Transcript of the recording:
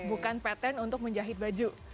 bukan patent untuk menjahit baju